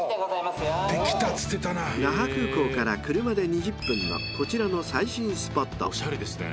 ［那覇空港から車で２０分のこちらの最新スポット］